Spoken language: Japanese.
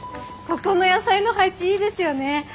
ここの野菜の配置いいですよね！